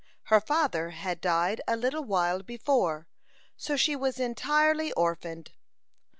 Her father had died a little while before, so she was entirely orphaned.